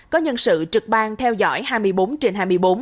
có nhân sự trực ban theo dõi hai mươi bốn trên hai mươi bốn